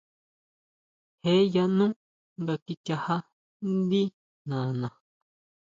Je yanú nga kichajá ndí nana.